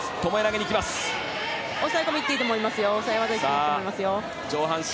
抑え込みにいっていいと思いますよ！